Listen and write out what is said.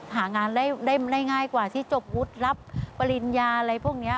หางานได้ง่ายกว่าที่จบวุฒิรับปริญญาอะไรพวกนี้